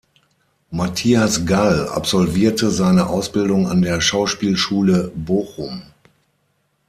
Matthias Gall absolvierte seine Ausbildung an der Schauspielschule Bochum.